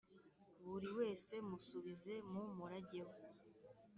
buri wese musubize mu murage we